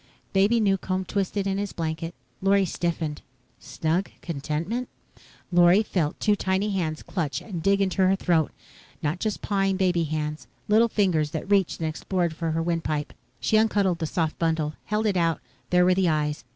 Baby Newcomb twisted in his blanket. Lorry stiffened. Snug contentment? Lorry felt two tiny hands clutch and dig into her throat. Not just pawing baby hands. Little fingers that reached and explored for the windpipe. She uncuddled the soft bundle, held it out. There were the eyes.